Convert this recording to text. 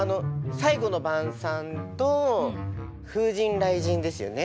「最後の晩餐」と「風神雷神」ですよね。